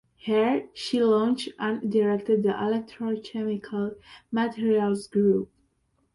Here she launched and directed the electrochemical materials group.